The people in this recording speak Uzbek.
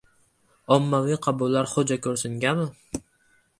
Ommaviy qabullar xo‘jako‘rsinga...mi?